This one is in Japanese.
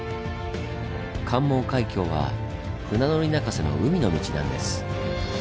関門海峡は船乗り泣かせの海の道なんです。